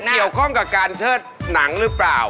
เกี่ยวข้องกับการเชิดหนังหรือเปล่า